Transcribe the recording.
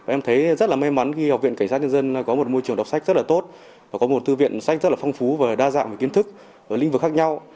em thấy rất là may mắn khi học viện cảnh sát nhân dân có một môi trường đọc sách rất là tốt và có một thư viện sách rất là phong phú và đa dạng về kiến thức lĩnh vực khác nhau